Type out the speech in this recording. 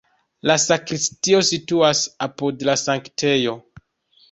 La sakristio situas apud la sanktejo.